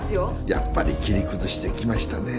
やっぱり切り崩してきましたね。